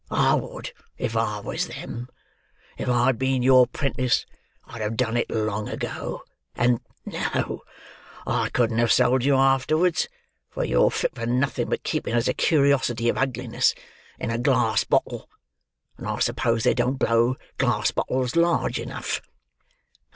I would if I was them. If I'd been your 'prentice, I'd have done it long ago, and—no, I couldn't have sold you afterwards, for you're fit for nothing but keeping as a curiousity of ugliness in a glass bottle, and I suppose they don't blow glass bottles large enough."